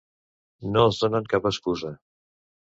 No els donem cap excusa.